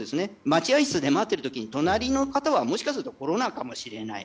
待合室で待ってる時に隣の方は、もしかするとコロナかもしれない。